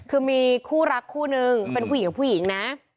คือมีคู่รักคู่นึงเป็นผู้หญิงกับผู้หญิงนะ